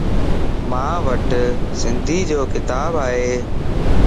مان وٽ سنڌيءَ جو ڪتاب ائي.